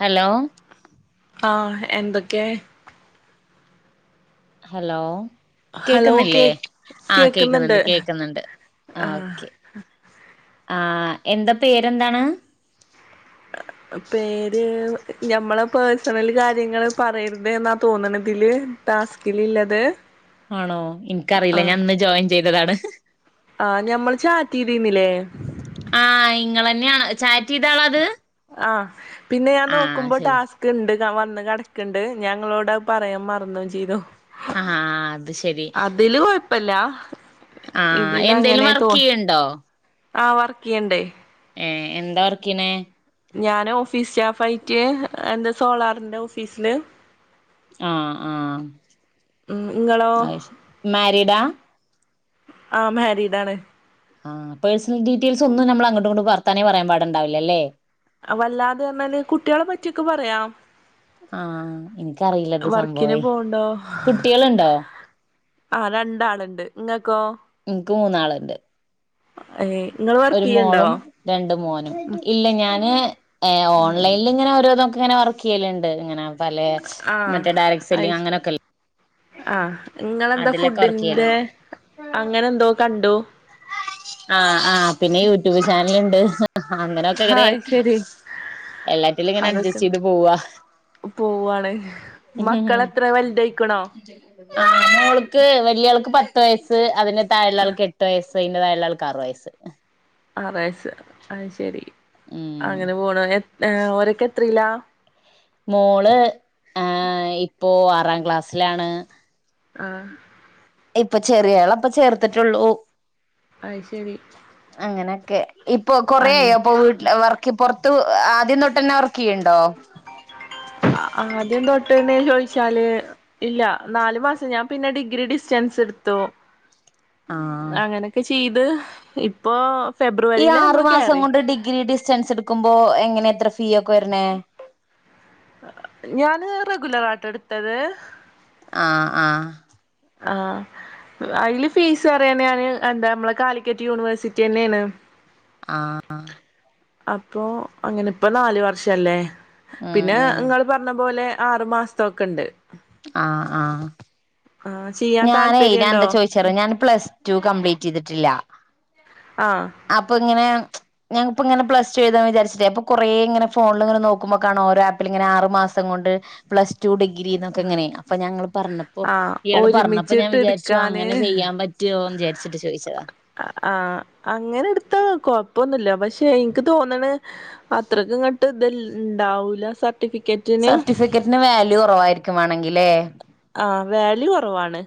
Hello ആ എന്തൊക്കെ hello hello കേക്കുന്നില്ലേ കേ ആ കേക്കുന്നുണ്ട് കേക്കുന്നുണ്ട് ആ ആഹ് ഓക്കെ ആ എന്താ പേരെന്താണ് ആ പേര് ഞമ്മളെ പേഴസണല് കാര്യങ്ങള് പറയരുത് എന്നാ തോന്നണതില് ! ! ! ! ! ! ! ! ! ലിള്ളത് ആണോ എനിക്കറിയില്ല ഞാൻ ഇന്ന് ജോയിൻ ചെയ്തതാണ് ആ ഞമ്മള് ചാറ്റീചെയ്തീന്നില്ലേ ആ ഇങ്ങള് തന്നെയാണ് ചാറ്റ് ചെയ്താളാ ഇത് ആഹ് പിന്നെ ഞാൻ നോക്കുമ്പോൾ! ! ! ! ! ! ഉണ്ട് വന്ന് കിടക്ക്ണ്ട് ഞങ്ങളോട് പറയാൻ മറന്നും ചെയ്തു ആ അത് ശരി കൊഴപ്പില ആ എന്തേലും വർക്ക് ചെയ്യണ്ടോ? ആ വർക്ക് ചെയ്യണ്ട്. ഏ എന്താ വർക്കെണേ? ഞാന് ഓഫീസ് സ്റ്റാഫ് ആയിട്ട് എന്ത് സോളാറിന്റെ ഓഫീസില്. ആ ആ ഉം ഇങ്ങളോ അത് ശരി. മാരീഡാ? ആ മാരീഡാണ്. ആ പേഴ്സണൽ ഡീറ്റെയിൽ ഒന്നും ഞമ്മള് അങ്ങോട്ടും ഇങ്ങോട്ടും വർത്താനം പറയാൻ പാടുണ്ടാവില്ലല്ലേ? വല്ലാതെ പറഞ്ഞാല് കുട്ടികളെ പറ്റിയൊക്കെ പറയാം. ആ എനിക്കറിയില്ലത് വർക്കിന് സംഭവേ. പോവ്ണ്ടോ കുട്ടികളുണ്ടോ? ആ രണ്ടാള്ണ്ട്. ഇങ്ങക്കോ? എനിക്ക് മൂന്നാളുണ്ട്. ആ. ഒരു മോളും രണ്ട് മോനും ഇല്ല ഞാന് ഓൺലൈനിൽ ഇങ്ങനെ ഓരോന്നൊക്കെ ഇങ്ങനെ വർക്ക് ചെയ്യലുണ്ട് ഇങ്ങനെ പല ആ മറ്റേ ഡയറക്ട് സെല്ലി അയ് അങ്ങനെയൊക്കെല്ലെ ആ നിങ്ങളെന്താ ഫുഡിന്റെ ചെയ്യലുണ്ട് അങ്ങനെ എന്തോ കണ്ടു. ആ ആ പിന്നെ യൂട്യൂബ് ചാനല്ണ്ട് അങ്ങനെക്കെ ആ ഇങ്ങനെ. അയ് ശരി എല്ലാറ്റിലും ഇങ്ങനെ അഡ്ജസ്റ്റ് അതൊക്കെണ്ട് ചെയ്ത് പോവാ. പോവാണ്. മക്കളെത്രേ വൽതായ്‌ക്കണോ? ആ മോൾക്ക് വല്ലിയാൾക്ക് പത്ത് വയസ്സ് അതിന്റെ താഴുള്ളാൾക്ക് എട്ട് വയസ്സ്. [unintelligible] ആൾക്ക് ആറ് വയസ്സ്. ആറ് വയസ് അഹ് ശെരി ഉം അങ്ങനെ പോണ് എ അ ഓരോക്കെ ത്രീലാ? മോള് ഏ ഇപ്പോ ആറാം ക്ലാസ്സിലാണ്. ആ ഇപ്പൊ ചെറിയാളെ ഇപ്പോ ചേർത്തിട്ടൊള്ളൂ. അയ് ശെരി. കെ ഇപ്പൊ കൊറആയോ അപ്പൊ വീട്ടില് വർക്ക്പോർത്ത് ആദ്യം തൊട്ടെന്നെ വർക്ക് ചെയ്യ്ണ്ടോ ആദ്യം തൊട്ട് [unintelligible] ട്ട്ന്നെ ചോദിച്ചാല് ഇല്ല നാലു മാസം ഞാൻ പിന്നെ ഡിഗ്രി ഡിസ്റ്റൻസ് ഇട്ത്തു. ആഹ് അങ്ങനൊക്കെ ചെയ്ത് ഇപ്പൊ ഈ ഫെബ്രുവരിയില് ആറു നമ്മള് മാസം കേറി കൊണ്ട് ഡിഗ്രി ഡിസ്റ്റൻസ് ഇട്ക്കുമ്പോ എങ്ങനെ എത്ര ഫീ ഒക്കെ വരണേ ഞാന് റെഗുലാറാട്ടോ ഇട്ത്തത്. ആ ആ. ആഹ് അയ്ല് ഫീസ് [unintelligible] എന്താ അമ്മളെ കാലിക്കറ്റ് യൂണിവേഴ്സിറ്റിന്നെയാണ്. ആഹ്. അപ്പൊ അങ്ങനെപ്പോ നാല് വർഷല്ലേ? ഉം പിന്നെ ഉം നിങ്ങള് പറഞ്ഞ പോലെ ആറു മാസത്തൊക്കെ ഇണ്ട്. ആ ആ. ചെയ്യാൻ ഞാനേ താല്പര്യണ്ടോ ഞാനെന്താ ചോയിച്ചറിയോ ഞാൻ പ്ലസ് ടു കംപ്ലീറ്റ് ചെയ്തിട്ടില്ല ആ അപ്പൊ ഇങ്ങനെ ഞാനിപ്പോ ഇങ്ങനെ പ്ലസ് ടു എഴുതാ വിചാരിച്ചിട്ടേ അപ്പൊ കൊറേ ഇങ്ങന ഫോണിളിങ്ങനെ നോക്കുമ്പോ കാണ ഓരോ ആപ്പിൽ ഇങ്ങന ആറ് മാസ സംക്കൊണ്ട് പ്ല ടു ഡിഗ്രിക്കെ ന്നൊക്കെങ്ങനെ അപ്പൊ ഞാൻ ഇങ്ങൾ പറഞ്ഞപ്പോ ആ ഇയാൾ പറഞ്ഞപ്പോ ഞാൻ ഒരുമിച്ചിട്ട് വിചാരിചു എടുക്കാന് അങ്ങനെ ചെയ്യാൻ പറ്റൊന്ന് വിചരിച്ചിട്ട് ചോദിച്ചതാ. ആ അങ്ങനെ ഇട്ത്താ കൊഴപ്പൊന്നുല്ല. പശെ പക്ഷെ ഇൻക്ക് തോന്ന്ണ് അത്രക് ഇങ്ങട്ട് ഇത് ഇണ്ടാവൂല സ സർട്ടിഫിക്കറ്റിന് വാല്യൂ കുറവായിരിക്കുംവാണെങ്കിലേ? ആ വാല്യു കൊറവാണ്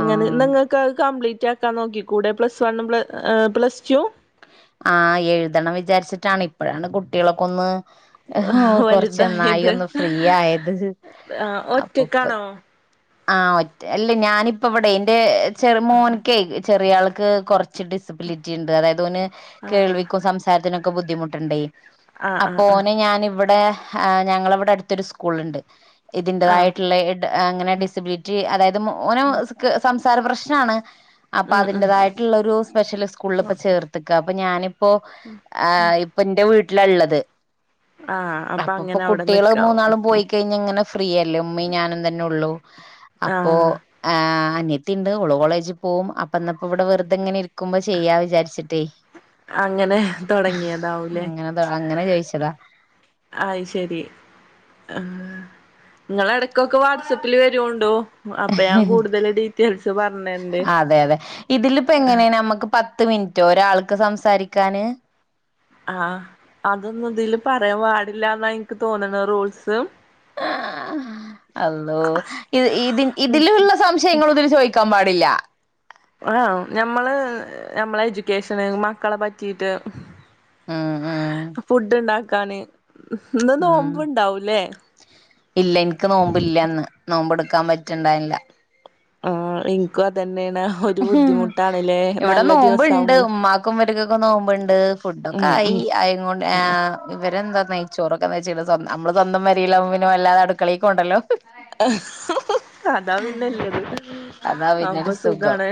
ഇങ്ങ ഇന്നങ്ങൾക്ക് അത് കംപ്ലീറ്റ് റ്റാക്കാൻ നോക്കി കൂടെ പ്ലസ്വൺ പ്ല ഏ പ്ലസ്ടു ആ എഴുതണം വിചാരിച്ചിട്ടാണ് ഇപ്പോഴാണ് കുട്ടികളൊക്കൊന്ന് കൊറച്ചൊന്നായി ഒന്നായി വലുതായത് ഒന്ന് ഫ്രീ ആയത്. ആ ഒറ്റക്കാണോ? ആ ഒറ്റ അല്ലേ ഞാനിപ്പവാടെയ് ഇന്റെ ചെറു മോൻക്കെയ് ചെറിയാൾക്ക് കുറച്ച് ഡിസ്ബ്ലിറ്റി ഇണ്ട് അതായത് ഓന് ആഹ് കേൾവിക്കും സംസാരത്തിനും ബുദ്ധിമുട്ടുണ്ട് ഇണ്ടേയ് ആഹ് ആഹ് അപ്പൊ ആഹ് ഓന് ഞാൻ ഇവിടെ ആഹ് ഞങ്ങളവടെ അടുത്തൊരു സ്കൂൾ ഇണ്ട് ആഹ് ഇതിന്റെതായിട്ടുള്ള ഇട് അങ്ങനെ ടി ലിബിറ്റി അതായത് മോന് സംസാര പ്രശ്നാണ്. അപ്പൊ ഉം ഉം അതിന്റാതായിട്ടുള്ളൊരു സ്പെഷ്യൽ സ്കൂളിൽ ഇപ്പോ ചേർത്ക്ക അപ്പൊ ഞാന് ഇപ്പൊ ആ ഇപ്പ ഇന്റെ വീട്ടിലാ ഇള്ളത്. ആഹ് അപ്പൊ അപ്പൊപ്പോ അങ്ങനെ അവിടെ കുട്ടികള് നിക്കാവും മൂന്നാളും പോയി കഴിഞ്ഞ് ഇങ്ങനെ ഫ്രീയല്ലേ ഉമ്മീം ഞാനും തെന്നെ ഒള്ളൂ അപ്പോ ആഹ് ആ അന്യത്തിയിണ്ട് ഓൾ കോളേജിൽ പോകും അപ്പന്നപ്പോ ഇവിടെ വെറുതെ ഇങ്ങനെ ഇരിക്കുമ്പോ ചെയ്യാ വിചാരിട്ടേ അങ്ങനെ തൊടങ്ങിയതാവുംലെ. അങ്ങനെ അങ്ങനെ ചോദിച്ചതാ ആയി ശെരി അ നിങ്ങളെട ക്കൊക്കെ വാട്സപ്പില് വെരോണ്ടോ അപ്പൊ ഞാൻ കൂടുതൽ ഡീറ്റെയിൽസ് പറഞ്ഞരണ്ട്. അതെ അതെ ഇതിലിപ്പോ എങ്ങനെയാ നമ്മുക്ക് പത്ത് മിനിറ്റോ ഒരാൾക്ക് സംസാരിക്കാന് ആഹ് അതൊന്നും ഇതില് പറയാൻ പാടില്ലന്നാണ് എനിക്ക് തോന്നുന്നത് റൂൾസ് ആ അള്ളേ ഇ ഇതി ഇതിലുള്ള സംശയങ്ങൾ ഇതിൽ ചോദിക്ക ക്കാൻ പാടില്ല ആ ഞമ്മള് നഞമ്മളെ എജ്യൂക്കേഷന് മക്കളെ പറ്റീട്ട് ഉം ഉം ഫുഡ് ഉണ്ടാക്കാന് ഇന്ന് ഉം നോമ്പുണ്ടാവൂലേ ഇല്ല എനിക്ക് നോമ്പല്ലന്ന് നോമ്പെടുക്കാൻ പറ്റിണ്ടായില്ല ആ ഇൻക്കും ഇവിടെ നല്ല നോമ്പോ ഇണ്ട് ദിവസാവുമ്പള് ഉമ്മാക്കും ഇവര്ക്കൊക്കെ നോുമ്പണ്ട് ണ്ടൊക്കെ ഉം ആയി ഉം അയണ്ട് ഇവരെന്താ നെയ്ച്ചോറൊക്കെന്ന് വെച്ച്ണ് സ്ന്ത നമ്മള് സ്വന്തം പെരില്കുബോ പിന്നെ വല്ലാത അടുക്കളക്കും പോവണ്ടല്ലോ അതാ പിന്നല്ലേത് അതാ പിന്നൊരു അപ്പ സുഖം സുഖാണ്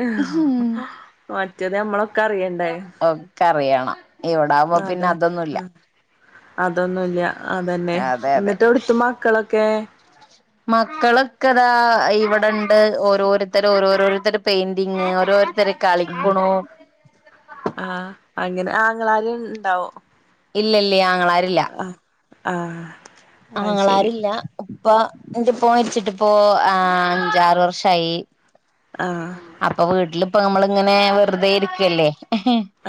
മറ്റത് നമ്മളൊക്കെ അറിയണ്ടേ ഉണ്ടകുമ്പോ പിന്നെ അതെ അതൊന്നുമല്ല അതൊന്നുല്ല അതന്നെ അതെ എന്നിട്ട് എവിടുത്ത മക്കളൊക്കെ? മക്കളൊക്കെതാ ഇവിടെണ്ട് ഓരോരുത്തർ ഓരോരോരുത്തർ പെയിന്റിങ് ഓരോരു ആ ആ അങ്ങനെ ആങ്ങാളാര് ഇണ്ടോ ഇല്ല ഇല്ല ആങ്ങളാരില്ല ആ ആങ്ങളാരില്ല ഉപ്പ എന്റെ ഇപ്പോൻ മരിച്ചിട്ടിപ്പോ ആ അഞ്ചാറ് വർഷയി ആഹ് അപ്പൊ വീട്ടിലിപ്പം നമ്മള ഇങ്ങനെ വെറുതെ ഇരിക്കല്ലേ?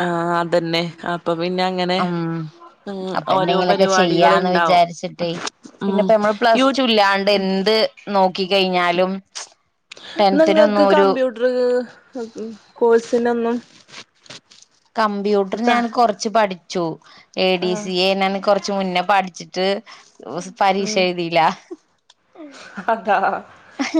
ആ അതന്നെ ആ ഉം അപ്പൊ ഓരോ എന്തെങ്കിലുമൊക്കെ പരിപാടികൾ ചെയ്യാന്ന് ഇണ്ടാവും വിചാരിച്ചിട്ടേ ഉം പിന്നെപ്പ നമ്മള് പ്ലസ് യൂ ടു ഇല്ലാണ്ട് എന്ത് നോക്കി കഴിഞ്ഞാലും ഇന്നാ നിങ്ങൾക്ക് ടെൻത്തിനൊന്നും ഒരു കമ്പ്യൂട്ടർ കോഴ്സിനൊന്നും കമ്പ്യൂട്ടർ ത ഞാൻ കൊറച്ച് പഠിച്ചു A D ah C A ൻ കുറച്ച് കുറാച്ച് മുന്നേ പഠിച്ചിട്ട് പരീക്ഷ ഉം എഴുതില അതാ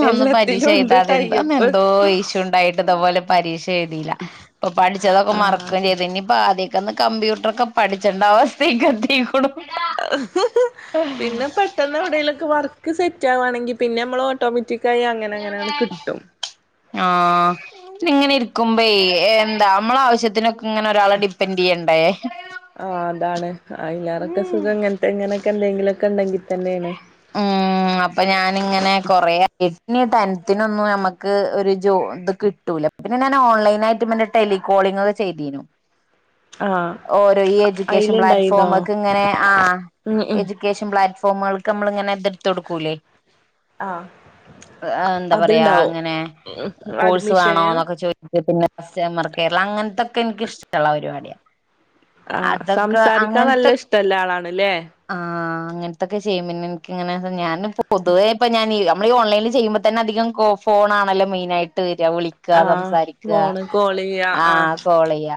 ഒന്ന് പരീക്ഷ എല്ലാത്തിലും ഉണ്ട് ചെയ്താതെ എന്തോ ടൈപ്പ് എന്തോ ഇഷ്യൂ ഉണ്ടായിട്ട് ഇതപോലെ പരീക്ഷ എഴുതിയില്ല ഇപ്പൊ പഠിച്ചതൊക്കെ മറക്കം ആഹ് ചെയ്തന്നനി ഇപ്പ ആദ്യ ന്ന് കമ്പ്യൂട്ടർ ഒക്കെ പഠിച്ചേണ്ട അവസ്ഥയും ക്കെതീക്കൂണു പിന്നെ പെട്ടെന്ന് എവിടലൊക്കെ വർ സെറ്റ് ആവാെങ്കിൽ പിന്നെ നമ്മൾ ഓട്ടോമാറ്റിക് ആ ഇങ്ങനെ ഇരി നക്കുമ്പ എന്താ നമ്മളെ ആവശ്യത്തിനൊക്കെ ഇങ്ങനെ ഒരാളെ ഡിപ്പെൻഡറ് ചെയ്യണ്ടേ ആ അതാണ് അയിലാറൊക്കെ സുഖം ഇങ്ങനത്തെ ഇങ്ങനൊക്കെ എന്തെങ്കിലും ഒക്കെ ഉണ്ടെങ്കിൽ തന്നെയാണ് ഉം അപ്പൊ ഞാനിങ്ങനെ കൊറ [unintelligible] ടെൻത്തിനൊന്നും നമുക്ക് ഒരു ജോ ഇത് കിട്ടൂല പിന്നെ ഞാൻ ഓൺലൈന ആയിട്ട്ന്റെ ടെലികോളിങ് ചെയ്തീനു ആഹ് ഓരോ ഈ എഡ്യൂക്കേഷൻ അയിലുണ്ടായിന്നോ പ്ലാറ്റ്ഫോമ ഒക്കെ ഇങ്ങനെ ആ ഉം ഉം എഡ്യൂക്കേഷൻ പ്ലാറ്റ്ഫോമുകൾക്ക് നമ്മള് ഇങ്ങനെ ഇത് എടുത്ത് കൊടുക്കൂല്ലേ ആഹ് എന്താ പറയാ അതുണ്ടാവും അങ്ങനെ കോഴ്സ് വേണോ അഡ്മിഷന് എന്നൊക്കെ ചോദ പിന്നെ കസ്റ്റമർ കേരളം അങ്ങനത്തൊക്കെ എനിക്ക്ഷ്ടമുള്ള പരിപാടിയാണ് ആ അതൊക്കെ സംസാരിക്കാൻ അങ്ങനത്തെ നല്ല ഇഷ്ടല്ല ആളാണ്ല്ലേ ആ അങ്ങനത്തൊക്കെ ചെയ്യും പിന്നെ എനിക്കിങ്ങനെ ഞാൻ പൊതുവേ ഇപ്പ ഞാൻ നമ്മൾ ഓൺലൈനി ചെയുമ്പോ തന്നെ അതികം ഫോൺ ആണല്ലോ മെയിനായിട്ട് വിളിക്കുക ആഹ് സംസാരിക്കുക ഫോണ് കോൾ ചെയ്യ ആ കോൾ ചെയ്യ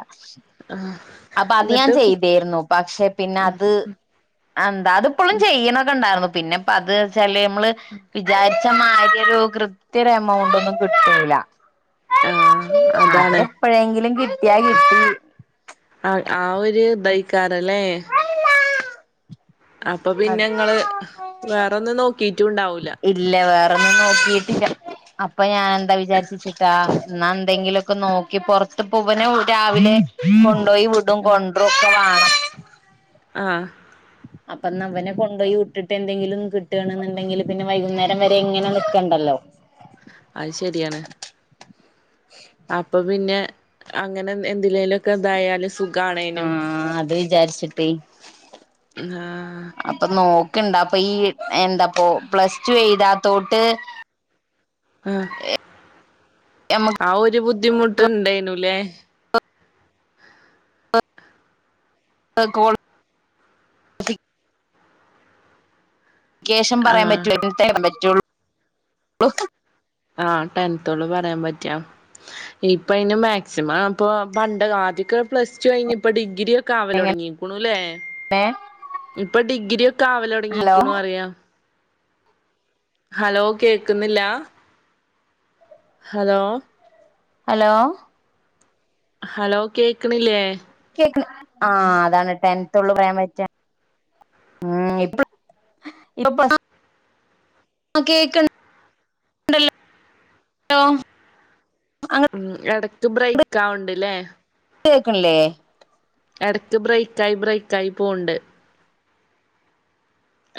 അപ്പൊ അത് ഞാൻ എന്നിട്ട് ചെയ്തേര്ന്നു പക്ഷെ പിന്നെ അത് എന്താ അതിപ്പോഴും ചെയ്യണ ണ്ടാർന്നു പിന്നെപ്പ അത് വെച്ചാല് നമ്മള് വിചാരി അച്ചമാതിരി ഒരു കൃത്യ ഒരു എമൗണ്ട് ഒന്നും കിട്ടൂല്ല. ആ അത് അതാണ് എപ്പോഴെങ്കിലും കിട്ടിയാ കിട്ടി. ആഹ് ആ ഒരു ദായിക്കാരല്ലേ അപ്പൊ പിന്നെ അതെ ഇങ്ങള് വേറൊന്നും നോക്കിട്ടും ഇണ്ടാവൂല. അന്ന് നോക്കിട്ട്ല്ല അപ്പൊ ഞാന് എന്താ വിചാരിച്ച് വെച്ചേക്കാ എന്നാ എന്തെങ്കിലൊക്കെ നോക്കി പുറത്ത് ഇപ്പ ഇവനെ രാവിലെ. ണ്ടോയിവിടും കൊൺണ്ട്രുക്കെ വാ ആഹ് അപ്പൊന്നാ ഇവനെ കൊണ്ടോയി വിട്ടിട്ട് എന്തെങ്കിലും കിട്ടാണ് ന്ന്ണ്ടെങ്കില് പിന്നെ വൈകുന്നേരം വരെ ഇങ്ങനെ നിക്കണ്ടല്ലോ? അഹ് ശെരിയാണ് അപ്പ പിന്നെ അങ്ങനെ എന്തിലേലും ഒക്കെ തായാല് സുഖാണേനും ചാര്ച്ചിട്ടേ ന്നാ അപ്പൊ നോക്ണ്ട് അപ്പൊ ഈ എന്താപ്പോ പ്ലസ് ടു എഴുതാ തോട്ട് ആഹ് നമ്മക്ക് ആഹ് ഒരു ബുദ്ധിമുട്ട് ഇൺണ്ടേനുലെ അഹ് കോൾ ക്കേഷം പറയാൻ ആഹ് പറ്റൂ ആഹ് ടെൻത്തോള് പറയാൻ പറ്റാ ഇപ്പയ്ന് മാക്സിമം ഇപ്പൊ പണ്ട് അ ആദിക്കോക്കെ പ്ലസ് ടു കഴിഞ് ഇപ്പൊ ഡിഗ്രി ഒക്കെ എങ്ങനെ ആവലൊട്ങ്ങികുണുലെ ഇപ്പൊ ഡിഗ്രി ഒക്കെ ഹലോ ആവലൊട്ങ്ങികുണു അറിയാ ഹലോ കേക്കുന്നില്ല ഹലോ ഹലോ ഹലോ കേക്ണില്ലേ ആഹ് അതാണ് ടെൻത്തോള്ളു പറയാൻ പറ്റ ഉം [unintelligible] ആഹ് കേക് ണ്ട ല്ലോ ഉം എടക്ക് ബ്രേക്ക് ആവ്ണ്ട്ല്ലെ? കേക്ൺല്ലേ? എടക്ക് ബ്രേറ്റായി ബ്രേറ്റായി പോവ്ണ്ട്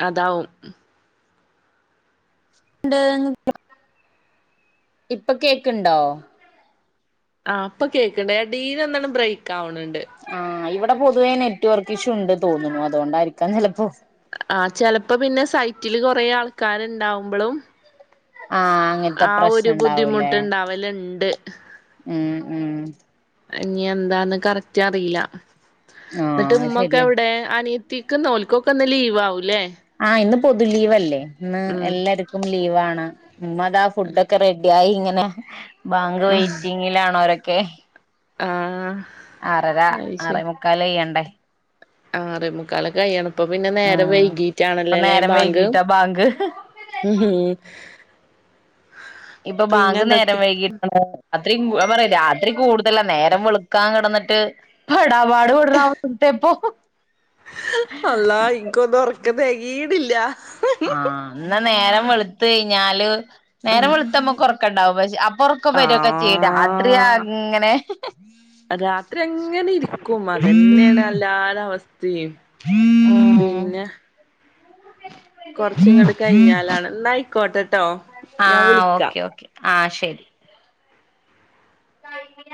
അതാവും ഉണ്ട്. ഇപ്പ കേക്ക്ണ്ടോ? ആ ഇപ്പൊ കേക്ക്ണ്ട്. എടേൽ ഒന്നണ്ട് ബ്രേക്കാവ്ണ് ണ്ട്. ആഹ് ഇവിടെ പൊതുവേ നെറ്റ് വർക്ക് ഇഷ്യൂ ഉണ്ട് തോന്നുണു. അതോണ്ടായിരിക്കാം ചെലപ്പോ. ആഹ് ചെലപ്പോ പിന്നെ സൈറ്റില് കൊറേ ആൾക്കാര് ഇണ്ടാവുമ്പളും ആഹ് അങ്ങനത്തെ ആ ഒരു പ്രശ്നം ഉണ്ടാവൂലേ ബുദ്ധിമുട്ട് ഇണ്ടാവല്ണ്ട്. ഉം ഉം. ഇനി എന്താന്ന് കറക്റ്റ് അറിയില്ല. എന്നിട്ട് ആഹ് അത് ഇമ്മൊക്കെ ശരിയാ എവിടെ അനിയത് ത്തിക്ക് ഇന്നോൽക്കൊക്കെ ഇന്ന് ലീവാവുല്ലേ? ആഹ് ഇന്ന് പൊതു ലീവല്ലേ? ഇന്ന് ഉം എല്ലാർക്കും ലീവാണ്. ഉമ്മ അതാ ഫുഡ്ഡൊക്കെ റെഡി ആയി ഇങ്ങനെ. ബാങ്ക് വെയിറ്റിങ്ങിലാണോരൊക്കെ. ആഹ്. ആറര ആറേമുക്കാലയ്യണ്ടേ. ആറെ മുക്കാലൊക്കയ്യണം. ഇപ്പൊ പിന്നെ നേരം ഉം ഇപ്പൊ വൈകിട്ടാണല്ലോ ല്ലെ നേരം ബാങ്ക്. വൈകീട്ടാ ബാങ്ക് ഇപ്പൊ പിന്നെ ബാങ്ക് നേരം എന്തൊക്കെ വൈകിട്ടാണ് അത്രീം ഞാൻ പറയട്ടെ രാത്രി കൂടു അല്ല നേരം വെളുക്കാൻ കെടന്നിട്ട് പ്പെടാപാട് പെട്ണ ഓർത്തപ്പൊ. അല്ലാഹ് ഇൻക്കൊന്നും ഒർക്കം തെകീണില്ലാ. ആഹ് എന്നാ നേരം വെളുത്തയിഞ്ഞാല് നേരം വെള്ത്താമ്മക്ക് ഒർ ക്കണ്ടാവും. പക്ഷെ അപ്പൊറക്കം വരൊക്കെ ചെയ്യും. ആഹ് രാത്രിയാങ്ങനെ രാത്രി അങ്ങനെ ഇരിക്കും. അതന്നേണ് എല്ലാരവസ് തന്നെയും. പിന്നെ? കൊറച്ച്ങ്ങട്ട് കഴിഞ്ഞാലാണ്. എന്നയിക്കോട്ട ആഹ് ഓക്കെ ഓക്കെ ആ ശെരി. [unintelligible]